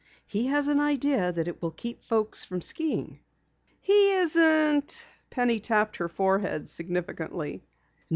He has an idea it will keep folks from skiing." "He isn't ?" Penny tapped her forehead significantly.